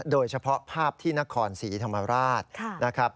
โดยเฉพาะภาพที่นครศรีธรรมราชนะครับ